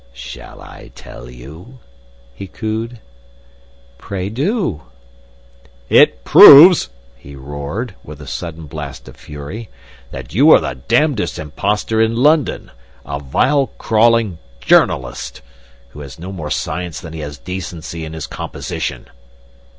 "Shall I tell you?" he cooed. "Pray do." "It proves," he roared, with a sudden blast of fury, "that you are the damnedest imposter in London a vile, crawling journalist, who has no more science than he has decency in his composition!"